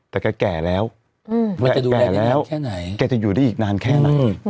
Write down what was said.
แต่แกแก่แล้วแกจะอยู่ได้อีกนานแค่ไหน